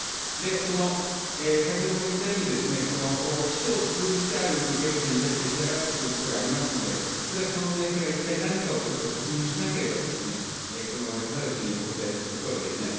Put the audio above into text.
その先ほども言ったように、秘書を通じて、ある請け負い者に対して支払ったということがありますので、それはその明細が一体何かをちょっと確認をしなければ、この場で直ちにお答えすることはできない。